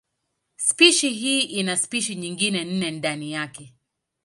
Spishi hii ina spishi nyingine nne ndani yake.